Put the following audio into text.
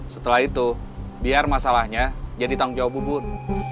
setelah itu biar masalahnya jadi tanggung jawab bubun